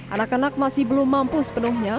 anak anak masih belum mampu sepenuhnya